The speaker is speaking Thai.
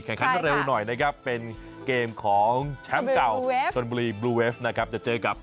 คันเร็วหน่อยนะครับเป็นเกมของแชมป์เก่าชนบุรีบลูเวฟนะครับจะเจอกับ